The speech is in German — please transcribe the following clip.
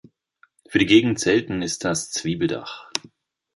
Für die Gegend selten ist das „Zwiebeldach“.